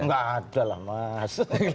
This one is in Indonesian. enggak ada lah mas